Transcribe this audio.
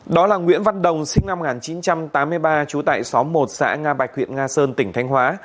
đó là nguyễn văn đồng sinh năm một nghìn chín trăm tám mươi ba trú tại xóm một xã nga bạch huyện nga sơn tỉnh thanh hóa